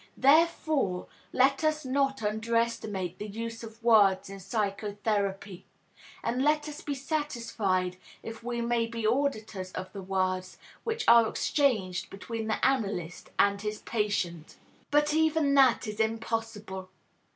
Therefore let us not underestimate the use of words in psychotherapy, and let us be satisfied if we may be auditors of the words which are exchanged between the analyst and his patient. But even that is impossible.